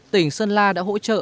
tỉnh sơn la đã hỗ trợ